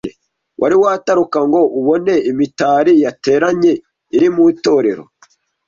Wari wataruka ngo ubone Imitali Yateranye iri mu itorero